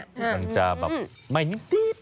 ที่มันจะแบบไหม้นิด